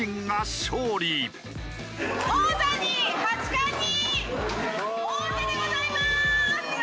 王座に八冠に王手でございます！